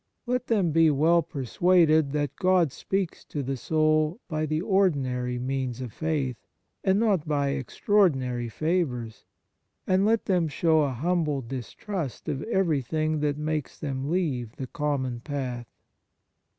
Let them be well persuaded that God speaks to the soul by the ordinary means of faith, and not by extra 91 On Piety ordinary favours, and let them show a humble distrust of everything fhat makes them leave the common path.